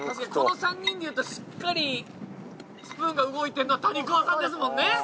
この３人でいうとしっかりスプーンが動いてんのは谷川さんですもんね。